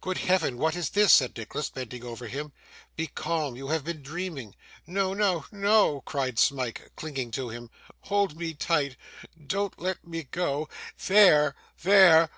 'Good Heaven, what is this?' said Nicholas, bending over him. 'Be calm; you have been dreaming.' 'No, no, no!' cried Smike, clinging to him. 'Hold me tight. Don't let me go. There, there.